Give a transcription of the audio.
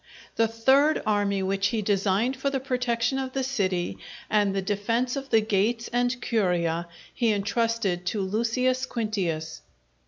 The third army, which he designed for the protection of the city, and the defence of the gates and Curia, he entrusted to Lucius Quintius.